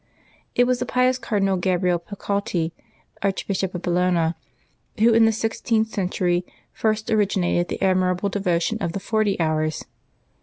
It was the pious Cardinal Gabriel Paleotti, Archbishop of Bologna, who, in the sixteenth century, first originated the admirable devotion of the Forty Hours.